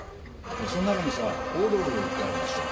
その中にさオードブルってあるでしょ？